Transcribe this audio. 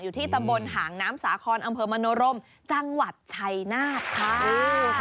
อยู่ที่ตำบลหางน้ำสาคอนอำเภอมโนรมจังหวัดชัยนาธค่ะ